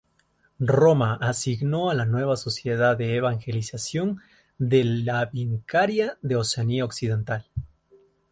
Roma asignó a la nueva sociedad la evangelización de la Vicaría de Oceanía Occidental.